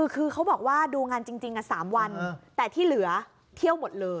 คือเขาบอกว่าดูงานจริง๓วันแต่ที่เหลือเที่ยวหมดเลย